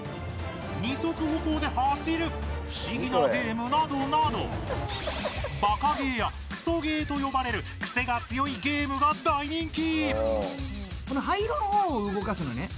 二足歩行で走る不思議なゲームなどなど「バカゲー」や「クソゲー」と呼ばれるクセが強いゲームが大人気！